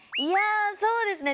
そうですね。